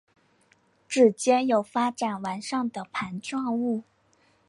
趾尖有发展完善的盘状物。